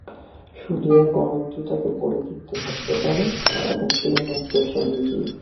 শুধু এক অনন্তই তাকে পরিতৃপ্ত করতে পারে, এবং সেই অনন্ত সে নিজেই।